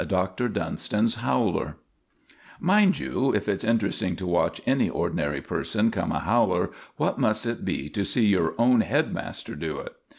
Doctor Dunston's Howler Mind you, if it's interesting to watch any ordinary person come a howler, what must it be to see your own head master do it?